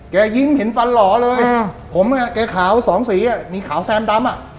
ยิ้มเห็นฟันหล่อเลยผมอ่ะแกขาวสองสีมีขาวแซมดำอ่ะ